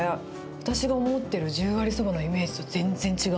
私が思ってる十割りそばのイメージと全然違う。